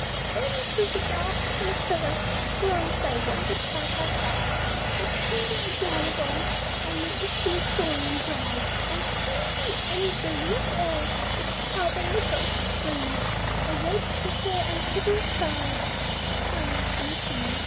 Then, through the dark coniferous grove they wandered side by side, The tender Iguanodon and Ichthyosaurian bride And through the enubilious air, the carboniferous breeze, Awoke, with their amphibious sighs, the silence in the trees.